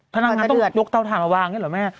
พนักงานต้องยกเตาถ่านมาวางอย่างนี้เหรอแม่